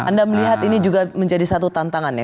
anda melihat ini juga menjadi satu tantangannya